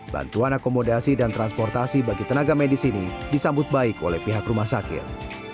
bantuan akomodasi dan transportasi bagi tenaga medis ini disambut baik oleh pihak rumah sakit